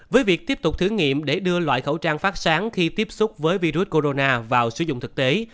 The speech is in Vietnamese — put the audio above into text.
với việc tiếp tục thử nghiệm để đưa loại khẩu trang phát sáng khi tiếp xúc với virus corona vào sử dụng thực tế